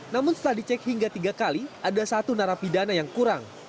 namun setelah dicek hingga tiga kali ada satu narapidana yang kurang